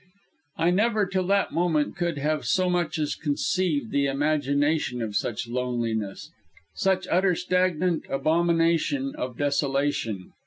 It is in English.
I never, till that moment, could have so much as conceived the imagination of such loneliness, such utter stagnant abomination of desolation.